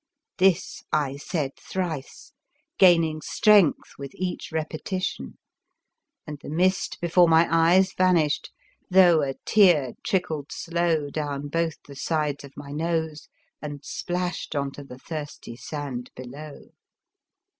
This I said thrice, gaining strength with each repetition, and the mist before my eyes vanished, though a tear trickled slow down both the sides of my nose and splashed onto the thirsty sand below.